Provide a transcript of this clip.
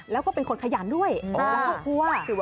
แล้วก็เป็นคนขยันด้วยแล้วก็คั่ว